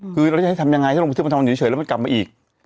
คือเราจะให้ทำยังไงถ้าลงบุตรมันทำอยู่นี่เฉยแล้วมันกลับมาอีก